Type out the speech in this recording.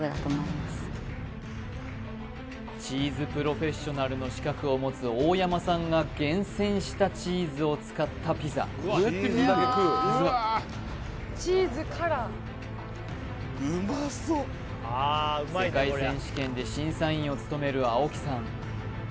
チーズプロフェッショナルの資格を持つ大山さんが厳選したチーズを使ったピザ世界選手権で審査員を務める青木さん